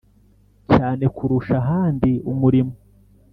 Cyane kurusha ahandi umurimo